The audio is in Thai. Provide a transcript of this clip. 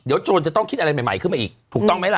โจรจะต้องคิดอะไรใหม่ขึ้นมาอีกถูกต้องไหมล่ะ